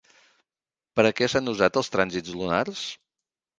Per a què s'han usat els trànsits lunars?